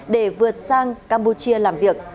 để vượt sang campuchia làm việc